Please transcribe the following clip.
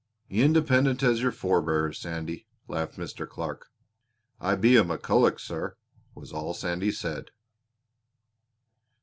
"Independent as your forebears, Sandy!" laughed Mr. Clark. "I be a McCulloch, sir!" was all Sandy said.